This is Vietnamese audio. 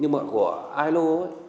nhưng mà của ilo